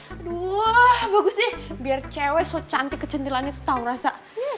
aduh bagus nih biar cewek cantik kecantilannya tuh tau rasa